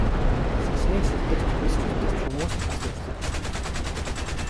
Шашныг шүтэгч, эс шүтэгч хүмүүс ч бас өөрчлөгдөж байна.